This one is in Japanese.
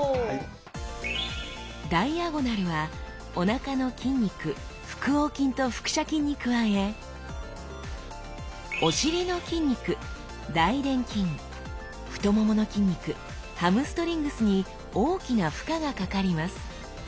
ダイアゴナルはおなかの筋肉腹横筋と腹斜筋に加えお尻の筋肉大臀筋太ももの筋肉ハムストリングスに大きな負荷がかかります。